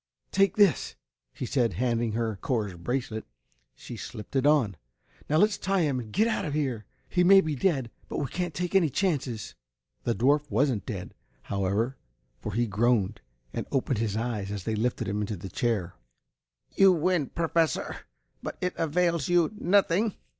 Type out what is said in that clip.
"Take this!" he said, handing her Cor's bracelet. She slipped it on. "Now let's tie him and get out of here. He may be dead, but we can't take any chances." The dwarf wasn't dead, however, for he groaned and opened his eyes as they lifted him into the chair. "You win, Professor but it avails you nothing!"